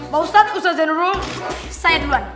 pak ustadz ustadz general saya duluan